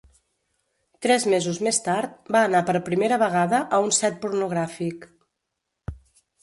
Tres mesos més tard, va anar per primera vegada a un set pornogràfic.